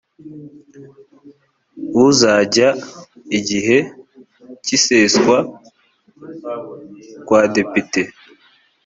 uzajya igihe cy iseswa kwadepite